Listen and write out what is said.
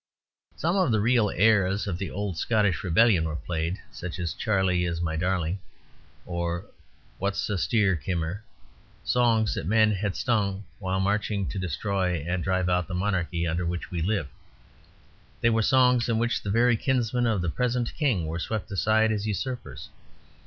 Some of the real airs of the old Scottish rebellion were played, such as "Charlie is My Darling," or "What's a' the steer, kimmer?" songs that men had sung while marching to destroy and drive out the monarchy under which we live. They were songs in which the very kinsmen of the present King were swept aside as usurpers.